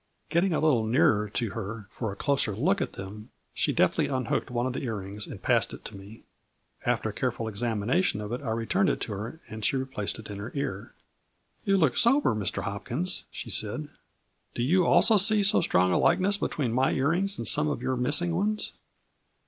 Getting a little nearer to her for a closer look at them, she deftly unhooked one of the ear rings and passed it to me. After a careful examination of it I returned it to her and she replaced it in her ear. " You look sober, Mr. Hopkins," she said. " Do you also see so strong a likeness between my ear rings and some of your missing ones